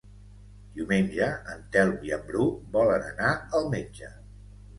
Diumenge en Telm i en Bru volen anar al metge.